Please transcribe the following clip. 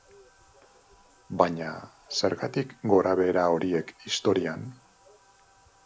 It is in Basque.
Baina, zergatik gorabehera horiek historian?